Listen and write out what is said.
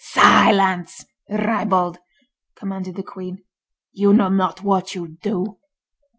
"Silence, ribald!" commanded the Queen, "you know not what you do.